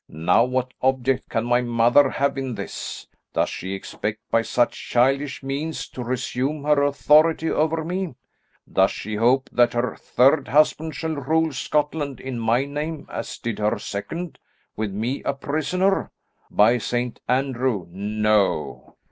"Now what object can my mother have in this? Does she expect by such childish means to resume her authority over me? Does she hope that her third husband shall rule Scotland in my name as did her second, with me a prisoner? By Saint Andrew, no!"